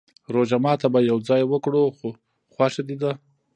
روژه ماته به يو ځای وکرو، خوښه دې ده؟